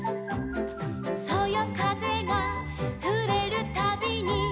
「そよかぜがふれるたびに」